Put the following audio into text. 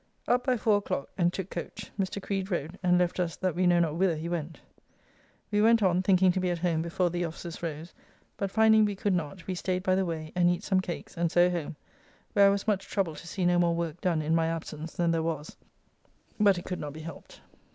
Up by four o'clock and took coach. Mr. Creed rode, and left us that we know not whither he went. We went on, thinking to be at home before the officers rose, but finding we could not we staid by the way and eat some cakes, and so home, where I was much troubled to see no more work done in my absence than there was, but it could not be helped.